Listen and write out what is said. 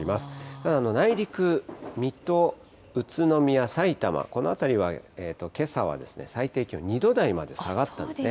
ただ内陸、水戸、宇都宮、さいたま、この辺りはけさはですね、最低気温、２度台まで下がったんですね。